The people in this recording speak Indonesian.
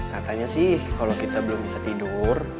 katanya sih kalau kita belum bisa tidur